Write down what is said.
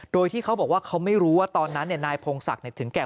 โดยที่เขาบอกว่าเขาไม่รู้ว่าตอนนั้นนายพงศักดิ์ถึงแก่